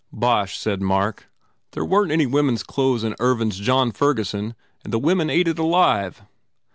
"Bosh," said Mark, "there weren t any wom en s clothes in Ervine s John Ferguson and the women ate it alive!"